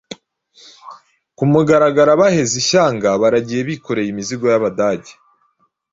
ku mugaragarabaheze ishyanga baragiye bikoreye imizigo y'Abadage.